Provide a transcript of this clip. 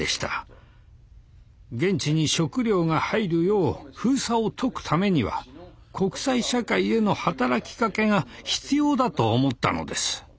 現地に食料が入るよう封鎖を解くためには国際社会への働きかけが必要だと思ったのです。